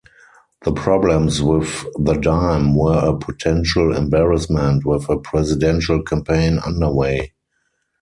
The problems with the dime were a potential embarrassment with a presidential campaign underway.